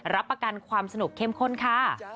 รับประกันความสนุกเข้มข้นค่ะ